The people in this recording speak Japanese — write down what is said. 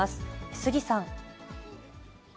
杉さん。